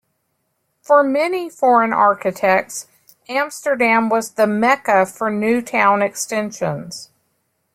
For many foreign architects, Amsterdam was the "Mecca" for new town extensions.